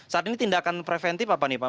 saat ini tindakan preventif apa nih pak